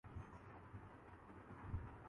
ور یہی وجہ ہی کہ سماٹرا کو جس زلزلی نی نشانہ بنایا